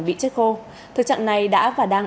bị chết khô thực trạng này đã và đang